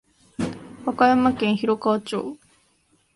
和歌山県広川町